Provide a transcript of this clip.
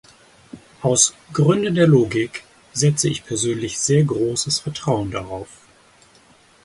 Aus Gründen der Logik setze ich persönlich sehr großes Vertrauen darauf.